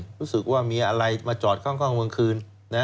รู้สึกว่ามีอะไรมาจอดข้างกลางคืน